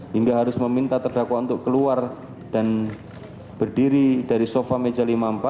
hingga harus meminta terdakwa untuk keluar dan berdiri dari sofa meja lima puluh empat